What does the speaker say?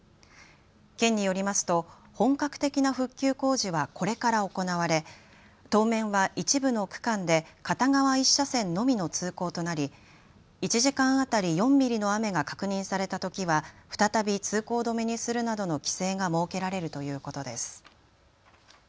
県によりますと本格的な復旧工事はこれから行われ当面は一部の区間で片側１車線のみの通行となり１時間当たり４ミリの雨が確認されたときは再び通行止めにするなどの規制が設けられるということです。